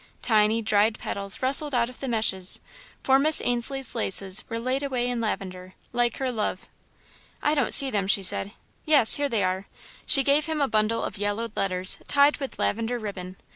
Tiny, dried petals rustled out of the meshes, for Miss Ainslie's laces were laid away in lavender, like her love. "I don't see them," she said, "yes, here they are." She gave him a bundle of yellowed letters, tied with lavender ribbon.